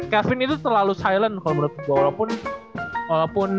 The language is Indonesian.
kelvin itu terlalu silent kalo menurut gue